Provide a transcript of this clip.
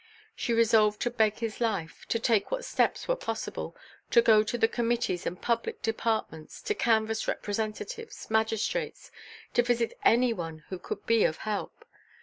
She resolved to beg his life, to take what steps were possible, to go to the Committees and Public Departments, to canvas Representatives, Magistrates, to visit anyone who could be of help.